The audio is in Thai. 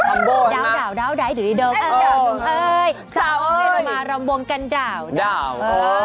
ดาวดาวดาวดาวที่นี่เดิมสาวพี่ที่จะมาลำบงกันดาวดาว